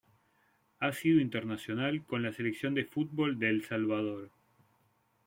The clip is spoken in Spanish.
Ha sido internacional con la Selección de fútbol de El Salvador.